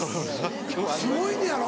すごいのやろ？